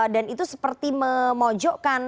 dan itu seperti memojokkan